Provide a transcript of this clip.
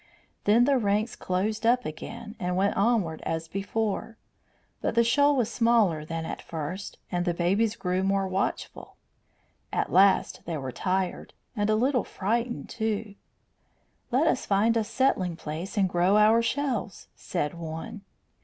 Then the ranks closed up again and went onward as before; but the shoal was smaller than at first, and the babies grew more watchful. At last they were tired, and a little frightened too. "Let us find a settling place and grow our shells," said one.